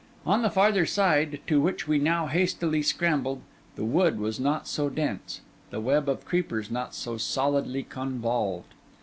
On the farther side, to which we now hastily scrambled, the wood was not so dense, the web of creepers not so solidly convolved.